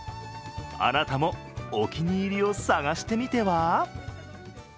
あなたも、お気に入りを探してみては？